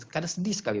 karena sedih sekali